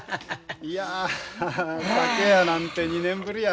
いやハハ酒やなんて２年ぶりやな。